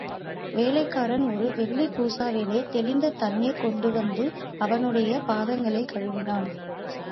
வேலைக்காரன் ஒரு வெள்ளிக் கூசாவிலே தெளிந்த தண்ணீர் கொண்டுவந்து அவனுடைய பாதங்களைக் கழுவினான்.